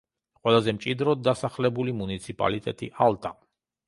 ყველაზე მჭიდროდ დასახლებული მუნიციპალიტეტი ალტა.